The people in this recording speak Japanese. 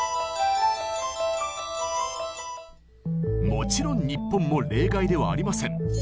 もちろん日本も例外ではありません。